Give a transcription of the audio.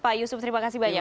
pak yusuf terima kasih banyak